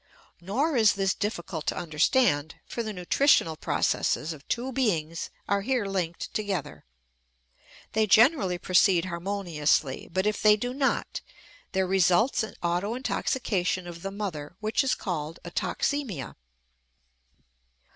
Nor is this difficult to understand, for the nutritional processes of two beings are here linked together. They generally proceed harmoniously, but if they do not there results an autointoxication of the mother which is called a toxemia.